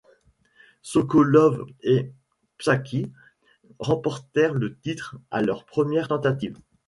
Sokolov et Psakhis remportèrent le titre à leur première tentative.